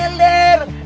sering duduk sama lo